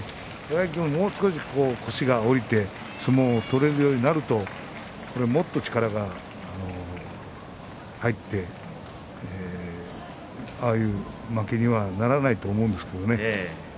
輝も、もう少し腰が動いて相撲が取れるようになるともっと力が入ってああいう負けにはならないと思うんですけどね。